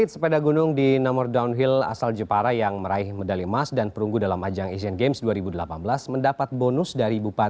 sampai jumpa di video selanjutnya